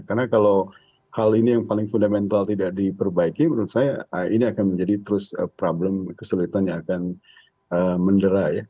karena kalau hal ini yang paling fundamental tidak diperbaiki menurut saya ini akan menjadi terus problem kesulitan yang akan mendera ya